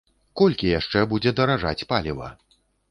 Колькі яшчэ будзе даражаць паліва?